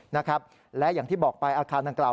นะครับและอย่างที่บอกไปอาคารดังกล่าว